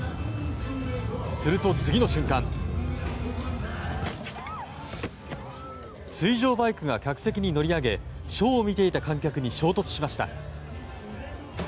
すると、次の瞬間水上バイクが客席に乗り上げショーを見ていた観客に衝突しました。